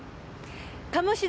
鴨志田